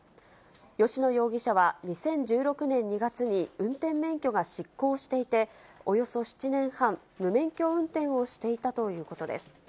吉野容疑者は、２０１６年２月に運転免許が失効していて、およそ７年半、無免許運転をしていたということです。